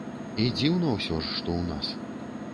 І дзіўна ўсё ж, што ў нас.